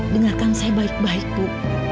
dengarkan saya baik baik bu